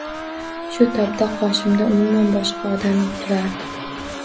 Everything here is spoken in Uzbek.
Shu topda qoshimda umuman boshqa odam turardi...